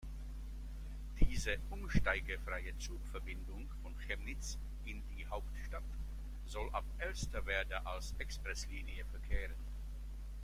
Diese umsteigefreie Zugverbindung von Chemnitz in die Hauptstadt soll ab Elsterwerda als Expresslinie verkehren.